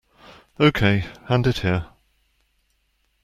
Okay, hand it here.